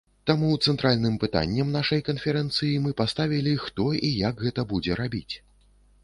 Таму цэнтральным пытаннем нашай канферэнцыі мы паставілі, хто і як гэта будзе рабіць.